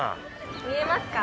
見えますか？